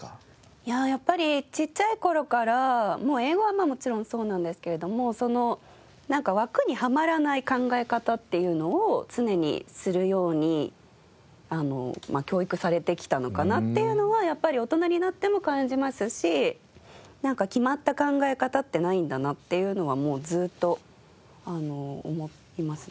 いややっぱりちっちゃい頃から英語はもちろんそうなんですけれどもなんか枠にはまらない考え方っていうのを常にするように教育されてきたのかなっていうのはやっぱり大人になっても感じますしなんか決まった考え方ってないんだなっていうのはもうずーっと思いますね。